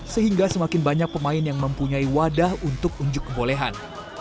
sehingga semakin banyak pemain yang mempunyai wadah untuk unjuk kebolehan